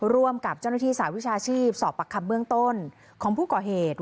ร่วมกับเจ้าหน้าที่สาวิชาชีพสอบปากคำเบื้องต้นของผู้ก่อเหตุ